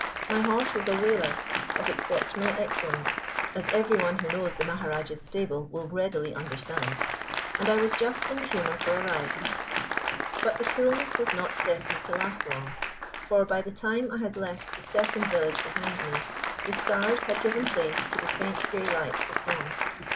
My horse was a waler of exceptional excellence, as every one who knows the Maharajah's stable will readily understand, and I was just in the humor for a ride. But the coolness was not destined to last long, for by the time I had left the second village behind me, the stars had given place to the faint grey light of dawn.